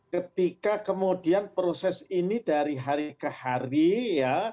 ketika kemudian proses ini dari hari ke hari ya